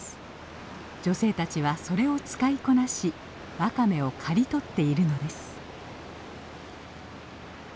女性たちはそれを使いこなしワカメを刈り取っているのです。